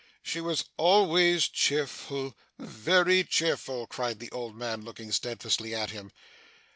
'She was always cheerful very cheerful,' cried the old man, looking steadfastly at him.